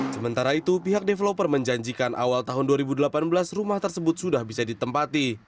sementara itu pihak developer menjanjikan awal tahun dua ribu delapan belas rumah tersebut sudah bisa ditempati